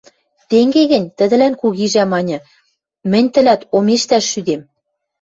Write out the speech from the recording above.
— Тенге гӹнь, — тӹдӹлӓн кугижӓ маньы, — мӹнь тӹлӓт омештӓш шӱдем.